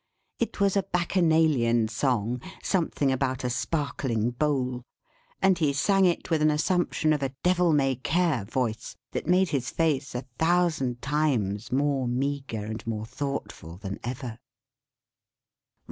It was a Bacchanalian song, something about a Sparkling Bowl; and he sang it with an assumption of a Devil may care voice, that made his face a thousand times more meagre and more thoughtful than ever.